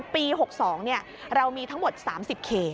ปี๖๒เรามีทั้งหมด๓๐เขต